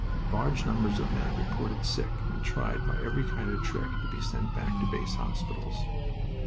Large numbers of men reported sick and tried by every kind of trick to be sent back to base hospitals.